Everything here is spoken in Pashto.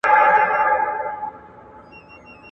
صوفي مخ پر دروازه باندي روان سو